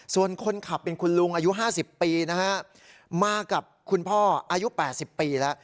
ส่วนคนขับเป็นคุณลุงอายุห้าสิบปีนะครับมากับคุณพ่ออายุแปดสิบปีละ